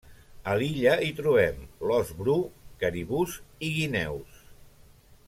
A l'illa hi trobem l'ós bru, caribús i guineus.